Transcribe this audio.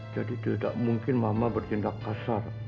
jadi tidak mungkin mama bertindak kasar